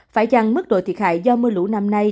phải chăng mức độ thiệt hại do mưa lũ năm nay